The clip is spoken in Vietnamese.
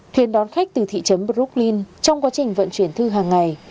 thuyền đón khách từ thị trấn brooklin trong quá trình vận chuyển thư hàng ngày